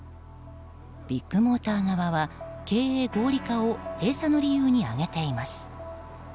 ビッグモーター側は経営合理化を閉鎖の理由に挙げています。